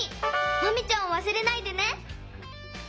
マミちゃんをわすれないでね！